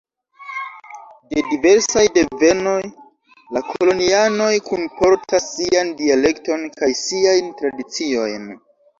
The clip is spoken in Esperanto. De diversaj devenoj, la kolonianoj kunportas sian dialekton kaj siajn tradiciojn.